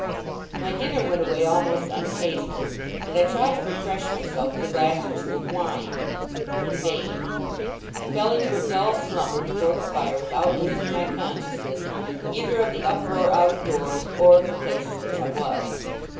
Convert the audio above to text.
My dinner went away almost untasted, and I tried to refresh myself with a glass or two of wine. In vain. I fell into a dull slumber before the fire, without losing my consciousness, either of the uproar out of doors, or of the place in which I was.